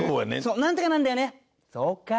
「なんとかなんだよね」。